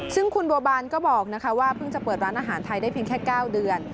ซึ่งคุณบัวบานก็บอกว่าเพิ่งจะเปิดร้านอาหารไทยได้เพียงแค่๙เดือน